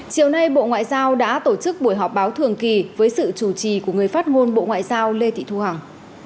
chiều nay bộ ngoại giao đã tổ chức buổi họp báo thường kỳ với sự chủ trì của người phát ngôn bộ ngoại giao lê thị thu hằng